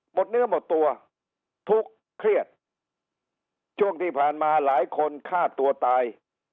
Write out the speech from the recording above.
หมดเนื้อหมดตัวทุกข์เครียดช่วงที่ผ่านมาหลายคนฆ่าตัวตาย